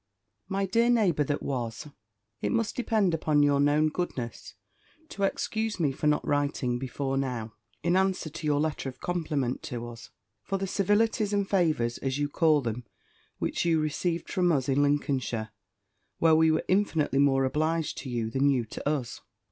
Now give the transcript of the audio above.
_ "MY DEAR NEIGHBOUR THAT WAS, "I must depend upon your known goodness to excuse me for not writing before now, in answer to your letter of compliment to us, for the civilities and favours, as you call them, which you received from us in Lincolnshire, where we were infinitely more obliged to you than you to us.